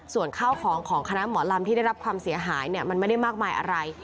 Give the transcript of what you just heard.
ส่วนข้าวของของคณะหมอลำที่ได้รับความเสียหายมันไม่ได้มากมายอะไร